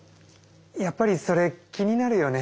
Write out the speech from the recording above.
やっぱりそれ気になるよね。